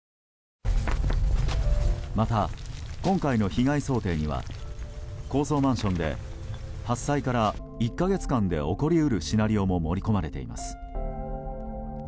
また、今回の被害想定には高層マンションで発災から１か月間で起こり得るシナリオも盛り込まれています。